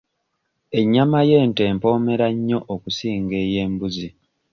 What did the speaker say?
Ennyama y'ente empoomera nnyo okusinga ey'embuzi.